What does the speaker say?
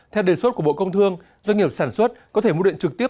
theo đề xuất của bộ công thương doanh nghiệp sản xuất có thể mua điện trực tiếp